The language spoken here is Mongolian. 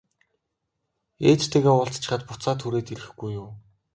Ээжтэйгээ уулзчихаад буцаад хүрээд ирэхгүй юу?